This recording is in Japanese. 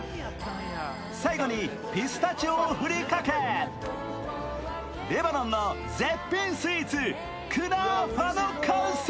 最後にピスタチオをふりかけレバノンの絶品スイーツクナーファの完成。